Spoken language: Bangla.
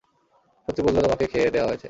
সত্যি বলতে তোমাকে খেয়ে দেয়া হয়েছে।